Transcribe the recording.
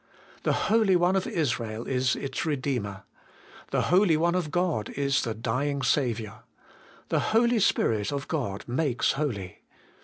The Holy One of Israel is its Redeemer. The Holy One of God is "the dying Saviour. The Holy Spirit of God makes holy.